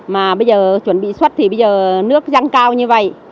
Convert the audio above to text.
mà bây giờ chuẩn bị xuất thì bây giờ nước giặc cao như vậy